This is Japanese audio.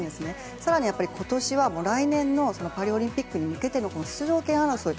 更に今年は来年のパリオリンピックに向けての出場権争い。